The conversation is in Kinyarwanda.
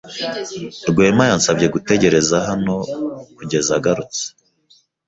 Rwema yansabye gutegereza hano kugeza agarutse.